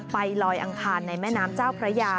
ลอยอังคารในแม่น้ำเจ้าพระยา